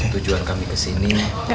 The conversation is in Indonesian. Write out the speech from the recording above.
tujuan kami kesini